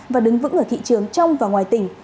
và đứng vững ở thị trường trong và ngoài tỉnh